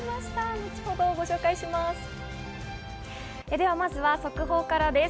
後ほどご紹介します。